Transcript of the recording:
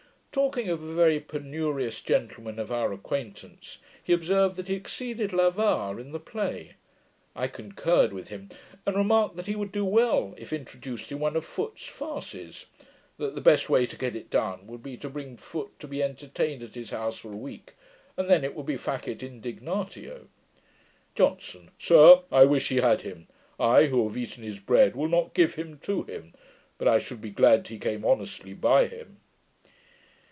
Talking of a very penurious gentleman of our acquaintance, he observed, that he exceeded L'Avare in the play. I concurred with him, and remarked that he would do well, if introduced in one of Foote's farces; that the best way to get it done, would be to bring Foote to be entertained at his house for a week, and then it would be facit indignatio. JOHNSON. 'Sir, I wish he had him. I, who have eaten his bread, will not give him to him, but I should be glad he came honestly by him.'